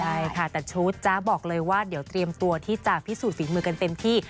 ใช่ค่ะแต่ชุดจ๊ะบอกเลยว่าเดี๋ยวเตรียมตัวที่จะพิสูจนฝีมือกันเต็มที่